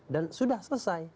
dan sudah selesai